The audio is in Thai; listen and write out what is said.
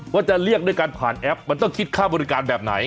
ว่าจะเรียกด้วยการผ่านแอปมันต้องคิดค่าบริการแบบไหน